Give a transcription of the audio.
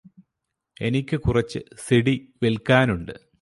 എനിക്ക് കുറച്ച് സിഡി വിൽക്കാനുണ്ട്